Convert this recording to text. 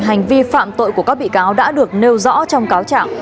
hành vi phạm tội của các bị cáo đã được nêu rõ trong cáo trạng